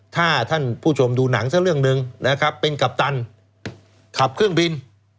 ถ้าท่านผู้ชมดูหนังสักเรื่องหนึ่งนะครับเป็นกัปตันขับเครื่องบิน